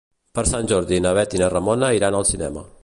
Per Sant Jordi na Bet i na Ramona iran al cinema.